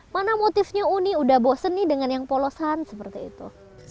mana motifnya unik udah bosen nih dengan yang polosan seperti itu